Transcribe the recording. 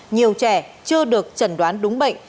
nhiều trẻ chưa được chẩn đoán đúng bệnh